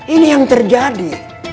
ini yang terjadi